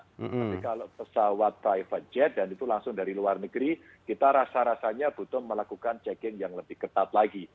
tapi kalau pesawat private jet dan itu langsung dari luar negeri kita rasa rasanya butuh melakukan checking yang lebih ketat lagi